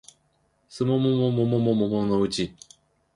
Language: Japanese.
季も桃も桃のうち